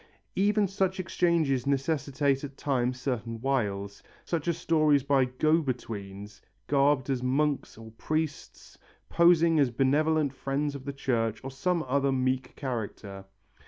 Even such exchanges necessitate at times certain wiles, such as stories by "go betweens," garbed as monks or priests, posing as benevolent friends of the church or some other meek character.